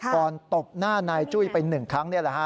ก่อนตบหน้านายจุ้ยไปหนึ่งครั้งเนี่ยนะฮะ